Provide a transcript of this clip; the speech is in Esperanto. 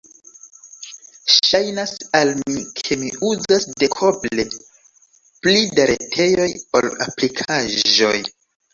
Ŝajnas al mi, ke mi uzas dekoble pli da retejoj ol aplikaĵoj.